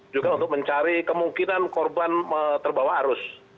juga untuk mencari kemungkinan korban terbawa arus